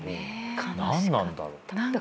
何なんだろう？